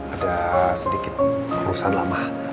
ada sedikit perusahaan lama